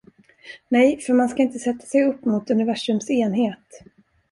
Nej, för man ska inte sätta sig upp mot universums enhet.